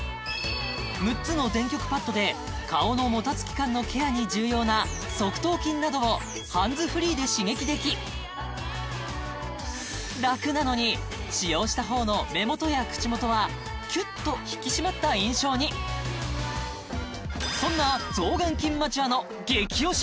６つの電極パットで顔のもたつき感のケアに重要な側頭筋などをハンズフリーで刺激でき楽なのに使用したほうの目元や口元はキュッと引き締まった印象にそんなゾーガンキンマチュアの激おし